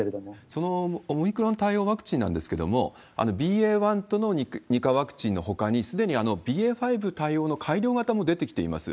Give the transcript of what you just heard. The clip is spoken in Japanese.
そのオミクロン対応ワクチンなんですけれども、ＢＡ．１との２価ワクチンのほかに、すでにＢＡ．５対応の改良型も出てきています。